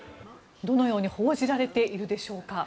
どのように報じられているでしょうか。